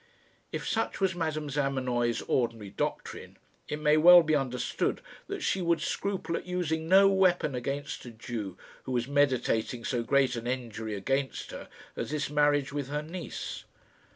If such was Madame Zamenoy's ordinary doctrine, it may well be understood that she would scruple at using no weapon against a Jew who was meditating so great an injury against her as this marriage with her niece.